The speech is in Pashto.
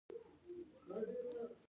شاید ورځپاڼې هلته کورونو ته ورسیږي